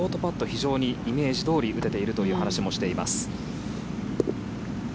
非常にイメージどおり打てているという話もしています。